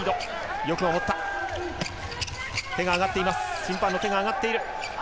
審判の手があがっています。